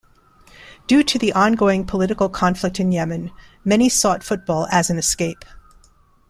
Due to the ongoing political conflict in Yemen, many sought football as an escape.